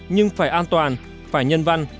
nhưng phải an toàn phải nhân văn